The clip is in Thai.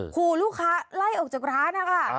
ขู่ลูกค้าไล่ออกจากร้านนะคะ